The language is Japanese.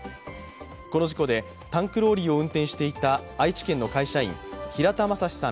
この事故でタンクローリーを運転していた愛知県の会社員平田正さん